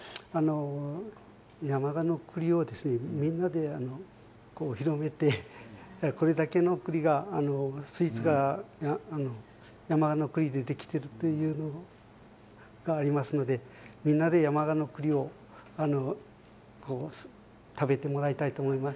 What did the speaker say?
山鹿の栗をみんなで広めてこれだけの栗が、スイーツが山鹿の栗でできているというのがありますのでみんなで山鹿の栗を食べてもらいたいと思います。